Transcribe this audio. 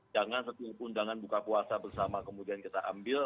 jangan setiap undangan buka puasa bersama kemudian kita ambil